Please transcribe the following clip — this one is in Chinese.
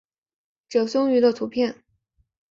褶胸鱼的图片